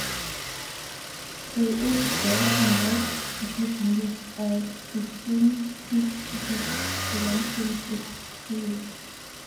A oak door and large arched windows are distinctive features of the limestone exterior.